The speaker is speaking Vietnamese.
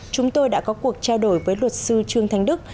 chúng tôi đã có cuộc trao đổi với luật sư trương thanh đức